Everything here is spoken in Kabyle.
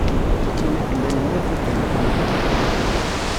Imi tella lmut i nḥemmel tudert